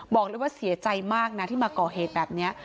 บอกเลยว่าเสียใจมากนะที่มาก่อเหตุแบบนี้